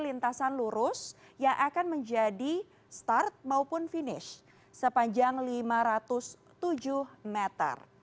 lintasan lurus yang akan menjadi start maupun finish sepanjang lima ratus tujuh meter